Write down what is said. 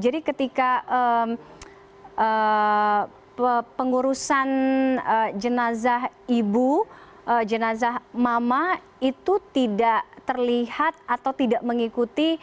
jadi ketika pengurusan jenasa ibu jenasa mama itu tidak terlihat atau tidak mengikuti